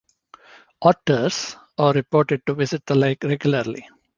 Otters are reported to visit the lake regularly.